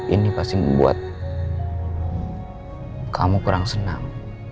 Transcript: ini pasti membuat kamu kurang senang